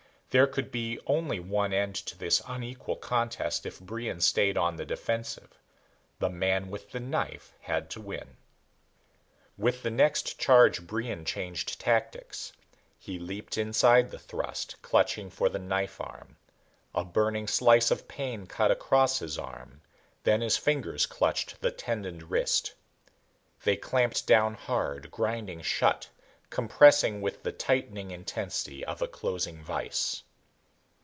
There could be only one end to this unequal contest if Brion stayed on the defensive. The man with the knife had to win. With the next charge Brion changed tactics. He leaped inside the thrust, clutching for the knife arm. A burning slice of pain cut across his arm, then his fingers clutched the tendoned wrist. They clamped down hard, grinding shut, compressing with the tightening intensity of a closing vise.